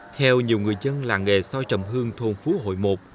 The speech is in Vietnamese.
theo nhiều người dân làng nghề soi trầm hương thôn phú hội một